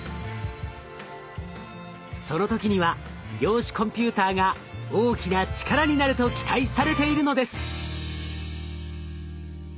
その時には量子コンピューターが大きな力になると期待されているのです。